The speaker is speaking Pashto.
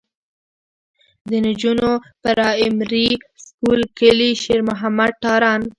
د نجونو پرائمري سکول کلي شېر محمد تارڼ.